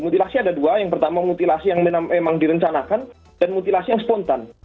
mutilasi ada dua yang pertama mutilasi yang memang direncanakan dan mutilasi yang spontan